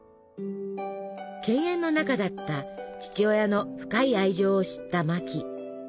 犬猿の仲だった父親の深い愛情を知ったマキ。